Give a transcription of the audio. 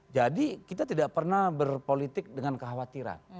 jadi kita tidak pernah berpolitik dengan kekhawatiran